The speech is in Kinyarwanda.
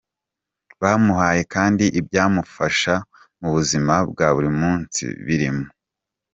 Bamuhaye kandi ibyamufasha mu buzima bwa buri munsi birimo.